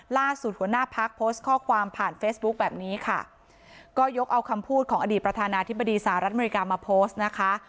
ล่าสุดหัวหน้าพักโพสต์ข้อความผ่านเฟซบุ๊คแบบนี้ค่ะก็ยกเอาคำพูดของอดีตประธานาธิบดีสหรัฐอเมริกามาโพสต์นะคะ